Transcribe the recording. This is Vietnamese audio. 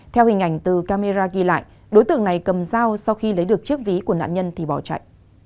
theo hình ảnh từ camera ghi lại đối tượng này cầm dao sau khi lấy được chiếc ví của nạn nhân thì bỏ chạy